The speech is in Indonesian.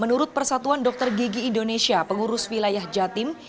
menurut persatuan dokter gigi indonesia pengurus wilayah jatim